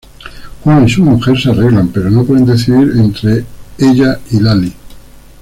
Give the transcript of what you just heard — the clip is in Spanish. Juan y su mujer se arreglan, pero no puede decidir entre ella y Lali.